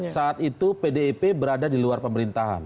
saat itu pdip berada di luar pemerintahan